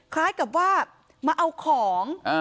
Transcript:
คล้ายกับว่ามาเอาของ